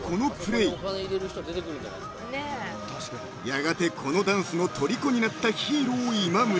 ［やがてこのダンスのとりこになったヒーロー今村］